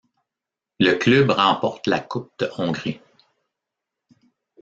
Le club remporte la Coupe de Hongrie.